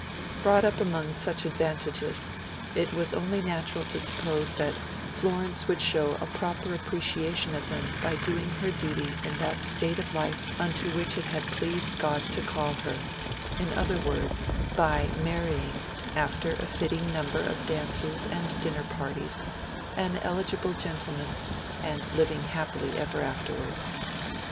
Brought up among such advantages, it was only natural to suppose that Florence would show a proper appreciation of them by doing her duty in that state of life unto which it had pleased God to call her in other words, by marrying, after a fitting number of dances and dinner parties, an eligible gentleman, and living happily ever afterwards.